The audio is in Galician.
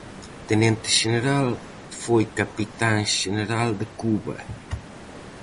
Tenente xeneral, foi capitán xeneral de Cuba.